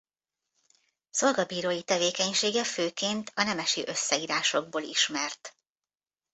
Szolgabírói tevékenysége főként a nemesi összeírásokból ismert.